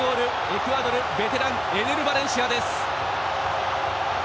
エクアドルのベテランエネル・バレンシアです！